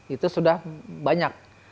itu sudah banyak